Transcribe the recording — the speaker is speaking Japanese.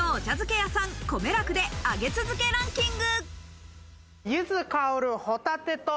屋さん・こめらくで上げ続けランキング！